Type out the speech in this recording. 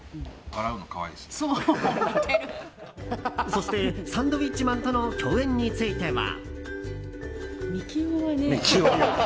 そしてサンドウィッチマンとの共演については。